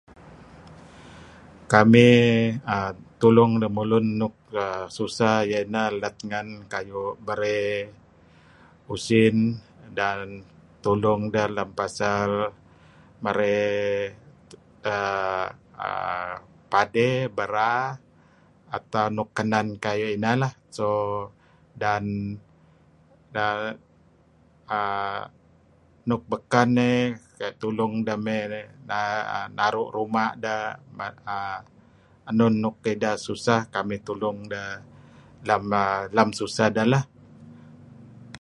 kamih um tulung lemulun nuk um susah ieh ineh let ngen kuh ayu nuk bere usin dan tulung deh lem pasal mere um pade bera atau nuk kenen kuh ayu ineh um dan um um nuk beken um tulung deh me' um naru ruma um enun nuk deh susah kamih tulung deh lem um susah deh eh